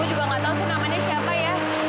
itu tapi yang paling hebat dong